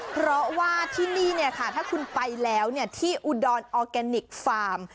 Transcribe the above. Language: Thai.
เพราะว่าที่นี่ถ้าคุณไปแล้วที่อุดรออร์แกนิคฟาร์ม